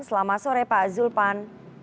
selamat sore pak zulpan